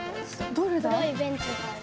どれだ？